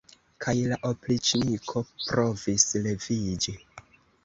Kaj la opriĉniko provis leviĝi.